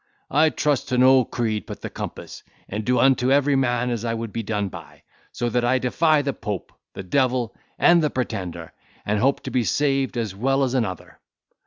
I trust to no creed but the compass, and do unto every man as I would be done by; so that I defy the Pope, the Devil, and the Pretender; and hope to be saved as well as another."